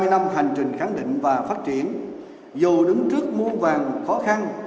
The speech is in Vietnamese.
hai mươi năm hành trình khẳng định và phát triển dù đứng trước muôn vàng khó khăn